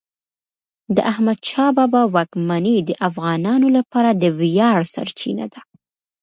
د احمدشاه بابا واکمني د افغانانو لپاره د ویاړ سرچینه ده.